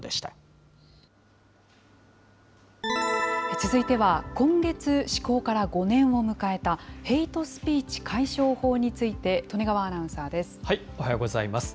続いては今月施行から５年を迎えたヘイトスピーチ解消法につおはようございます。